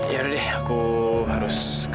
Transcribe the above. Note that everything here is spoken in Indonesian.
ya udah deh aku harus ke